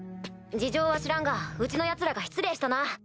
事情は知らんがうちのヤツらが失礼したな！